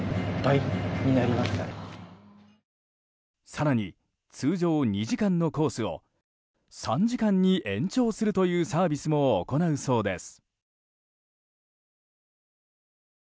更に、通常２時間のコースを３時間に延長するというサービスも行うそうです。